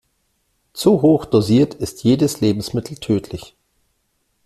Zu hoch dosiert ist jedes Lebensmittel tödlich.